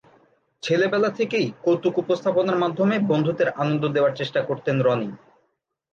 ছেলেবেলা থেকেই কৌতুক উপস্থাপনার মাধ্যমে বন্ধুদের আনন্দ দেয়ার চেষ্টা করতেন রনি।